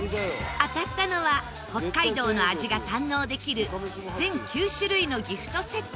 当たったのは北海道の味が堪能できる全９種類のギフトセット。